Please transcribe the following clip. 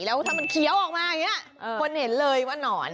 แล้วถ้ามันเคี้ยวออกมาอย่างนี้คนเห็นเลยว่านอน